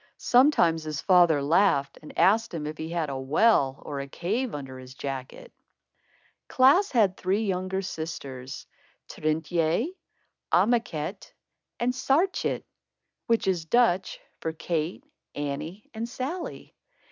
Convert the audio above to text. Sometimes his father laughed and asked him if he had a well, or a cave, under his jacket. Klaas had three younger sisters, Trintjé, Anneké and Saartjé; which is Dutch for Kate, Annie and Sallie.